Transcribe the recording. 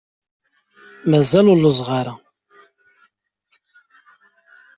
Mazal ur lluẓeɣ ara.